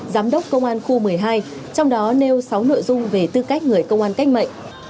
giám đốc công an khu một mươi hai trong đó nêu sáu nội dung về tư cách người công an cách mệnh